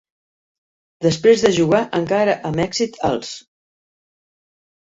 Després de jugar encara amb èxit als